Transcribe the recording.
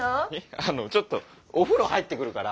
あのちょっとお風呂入ってくるから。